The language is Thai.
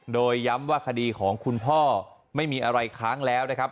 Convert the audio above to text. โดยย้ำว่าคดีของคุณพ่อไม่มีอะไรค้างแล้วนะครับ